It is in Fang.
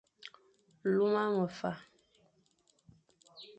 Luma mefa,